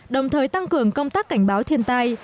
đồng thời tăng cường công tác cảnh báo thiên tai